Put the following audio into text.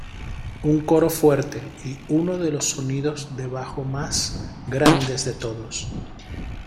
Un coro fuerte y uno de los sonidos debajo más grandes de todos.